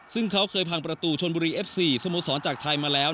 ซึ่งเขาเคยพังประตูชนบุรีเอฟซีสโมสรจากไทยมาแล้ว